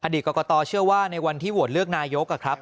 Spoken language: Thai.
กรกตเชื่อว่าในวันที่โหวตเลือกนายกครับ